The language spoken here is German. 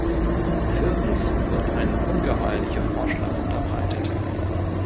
Viertens wird ein ungeheuerlicher Vorschlag unterbreitet.